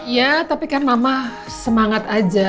ya tapi kan mama semangat aja